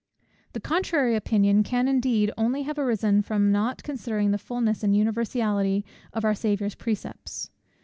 The contrary opinion can indeed only have arisen from not considering the fulness and universality of our Saviour's precepts.